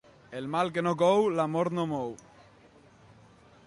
El mal que cou la mort no mou.